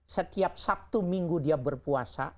setiap sabtu minggu dia berpuasa